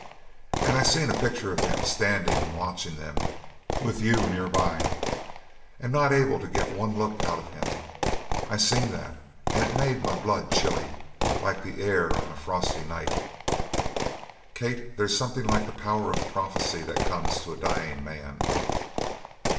and I seen a picture of him standin' and watchin' them, with you nearby and not able to get one look out of him. I seen that, and it made my blood chilly, like the air on a frosty night. "Kate, they's something like the power of prophecy that comes to a dyin' man!"